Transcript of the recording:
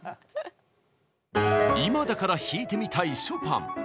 今だから弾いてみたいショパン。